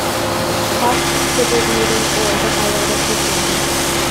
Fox considered meeting Orr the highlight of his journey.